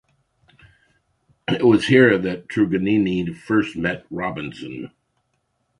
It was here that Truganini first met Robinson.